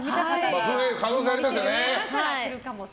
増える可能性はありますよね。